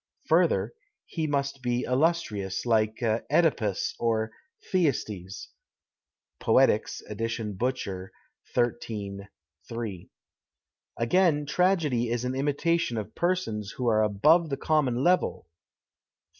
Further, he must be illustrious, like CEdipus or Thyestes (Poetics, ed. Butcher, XIII. 3). Again, tragedy is an imitation of persons who are above the common level (XV.